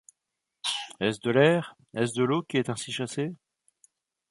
Est-ce de l’air, est-ce de l’eau qui est ainsi chassé